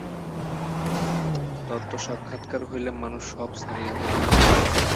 তত্ত্ব-সাক্ষাৎকার হইলে মানুষ সব ছাড়িয়া দেয়।